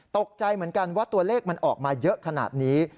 ตกใจเหมือนกันว่าตัวเลขมันออกมาเยอะขนาดนี้